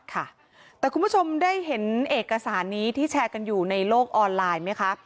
ค่ะแต่คุณผู้ชมได้เห็นเอกสารนี้ที่แชร์กันอยู่ในโลกออนไลน์ไหมคะ